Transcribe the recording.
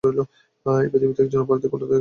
এই পৃথিবীতে, একজন অপরাধী কোথা থেকে গড়ে ওঠে?